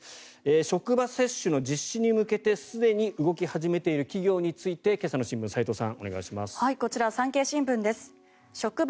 職場接種の実施に向けてすでに動き始めている企業について今朝の新聞斎藤さん